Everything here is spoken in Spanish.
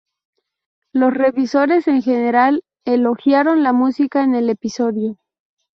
Los revisores en general elogiaron la música en el episodio.